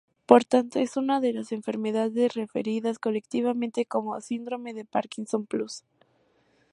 Por tanto, es una de las enfermedades referidas colectivamente como síndromes de Parkinson plus.